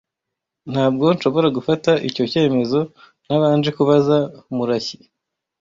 Ntabwo nshobora gufata icyo cyemezo ntabanje kubaza Murashyi .